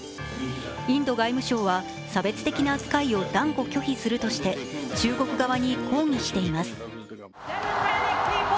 インド外務省は差別的な扱いを断固拒否するとして中国側に抗議しています。